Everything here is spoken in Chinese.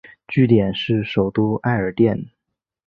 据点是首都艾尔甸。